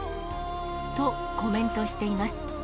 と、コメントしています。